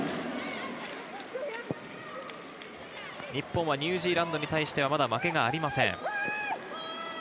日本はニュージーランドに対しては、まだ負けがありません。